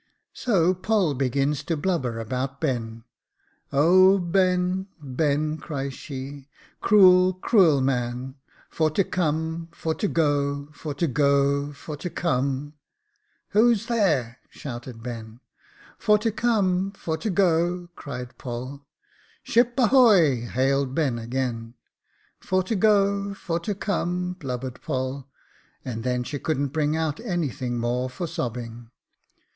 So Poll begins to blubber about Ben. ' O Ben, Ben,* cried she ;* cruel Jacob Faithful 1 1 1 cruel man ; for to come — for to go ; for to go — for to come !'"* Who's there ?' shouted Ben. "* For to come — for to go,' cried Poll. *'* Ship ahoy !' hailed Ben, again. "* For to go — for to come,' blubbered Poll ; and then she couldn't bring out anything more for sobbing.